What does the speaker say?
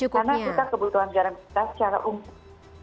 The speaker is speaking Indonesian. karena kita kebutuhan garam kita secara umum